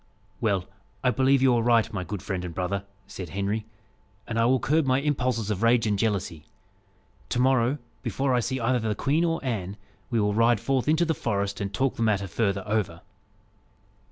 "Well, I believe you are right, my good friend and brother," said Henry, "and I will curb my impulses of rage and jealousy. To morrow, before I see either the queen or Anne, we will ride forth into the forest, and talk the matter further over."